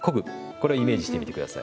これをイメージしてみて下さい。